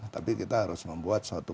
tapi kita harus membuat suatu